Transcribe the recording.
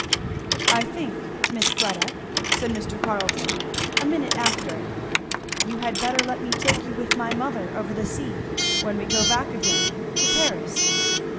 "I think, Miss Fleda," said Mr. Carleton a minute after, "you had better let me take you with my mother over the sea, when we go back again, to Paris."